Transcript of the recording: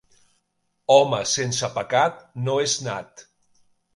Home sense pecat no és nat.